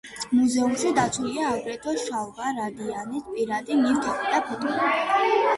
მუზეუმში დაცულია აგრეთვე შალვა რადიანის პირადი ნივთები და ფოტოები.